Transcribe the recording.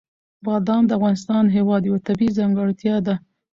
بادام د افغانستان هېواد یوه طبیعي ځانګړتیا ده.